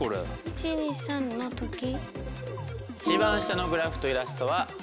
１２３のとき？